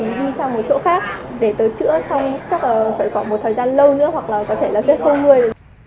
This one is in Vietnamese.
lại đi khám thì